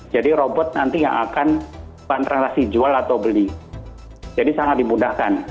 jadi robot nanti yang akan bahan transaksi jual atau beli jadi sangat dimudahkan